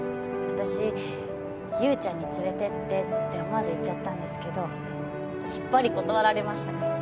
私優ちゃんに連れてってって思わず言っちゃったんですけどきっぱり断られましたから。